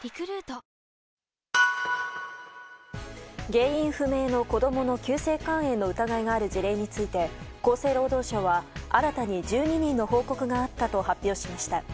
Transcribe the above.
原因不明の子供の急性肝炎の疑いがある事例について厚生労働省は新たに１２人の報告があったと発表しました。